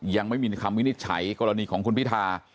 ยังไม่มีคำวินิจฉัยกรณีของคุณพิธา